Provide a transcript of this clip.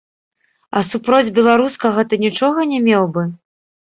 А супроць беларускага ты нічога не меў бы?!